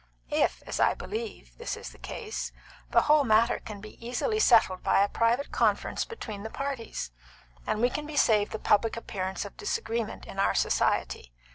If, as I believe, this is the case, the whole matter can be easily settled by a private conference between the parties, and we can be saved the public appearance of disagreement in our society.